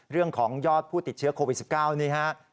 เรื่องของยอดผู้ติดเชื้อโควิด๑๙นี้ครับ